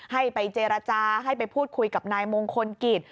ให้ไปเจรจาให้ไปพูดคุยกับนายมงคลกิจ